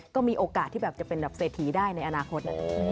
ก็มีโอกาสที่แบบจะเป็นแบบเศรษฐีได้ในอนาคต